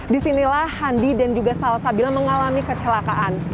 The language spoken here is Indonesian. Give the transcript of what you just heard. di sinilah handi dan juga salsabila mengalami kecelakaan